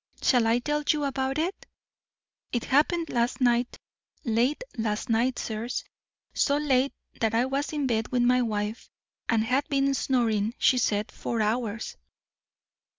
Shall I tell you about it? It happened last night, late last night, sirs, so late that I was in bed with my wife, and had been snoring, she said, four hours."